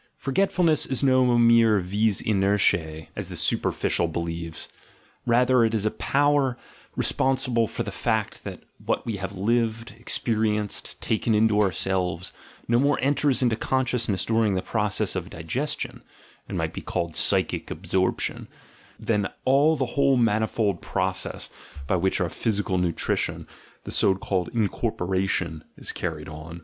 Forgetful ness is no mere vis inertia:, as the superficial believe, rather is it a power of obstruction, active and, in the strictest sense of the word, positive — a power responsible for the fact that what we have lived, experienced, taken into ourselves, no more enters into consciousness during the process of digestion (it might be called psychic ab sorption) than all the whole manifold process by which our physical nutrition, the so called "incorporation," is carried on.